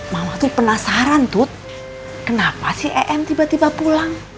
mamah tuh penasaran tuh kenapa si em tiba tiba pulang